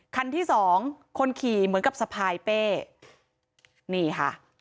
คันที่สองคนขี่เหมือนกับสะพายเป้นี่ค่ะ